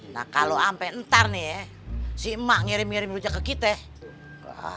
nah kalau sampai ntar nih ya si emak ngirim ngirim rujak ke kita